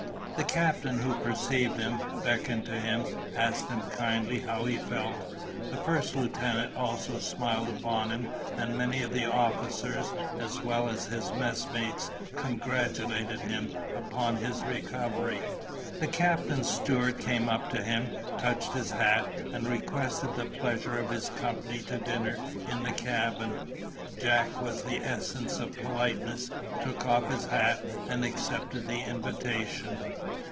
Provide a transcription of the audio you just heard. The captain, who perceived him, beckoned to him, asked him kindly how he felt, the first lieutenant also smiled upon him, and many of the officers, as well as his messmates, congratulated him upon his recovery. The captain's steward came up to him, touched his hat, and requested the pleasure of his company to dinner in the cabin. Jack was the essence of politeness, took off his hat, and accepted the invitation.